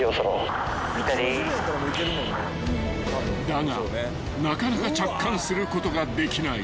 ［だがなかなか着艦することができない］